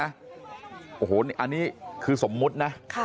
อันนี้คือสมมุตินะ